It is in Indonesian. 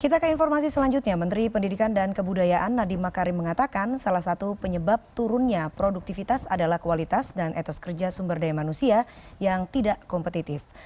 kita ke informasi selanjutnya menteri pendidikan dan kebudayaan nadiem makarim mengatakan salah satu penyebab turunnya produktivitas adalah kualitas dan etos kerja sumber daya manusia yang tidak kompetitif